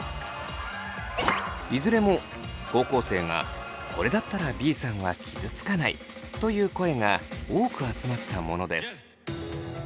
いずれも高校生がこれだったらＢさんは傷つかないという声が多く集まったものです。